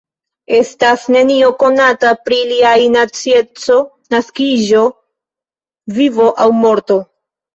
Estas nenio konata pri liaj nacieco, naskiĝo, vivo aŭ morto.